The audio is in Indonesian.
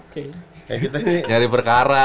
kayak kita ini nyari perkara